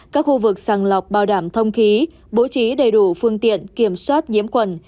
các khu vực sàng lọc bao đảm thông khí bố trí đầy đủ phương tiện kiểm soát nhiễm quần